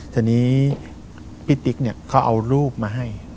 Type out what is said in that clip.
ทีนี้พี่ติ๊กเนี่ยเขาเอารูปมาให้